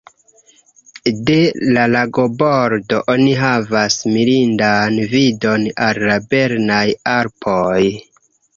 De la lagobordo oni havas mirindan vidon al la Bernaj Alpoj.